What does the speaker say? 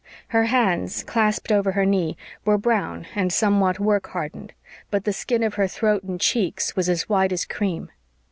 Her hands, clasped over her knee, were brown and somewhat work hardened; but the skin of her throat and cheeks was as white as cream.